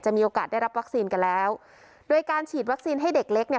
มีโอกาสได้รับวัคซีนกันแล้วโดยการฉีดวัคซีนให้เด็กเล็กเนี่ย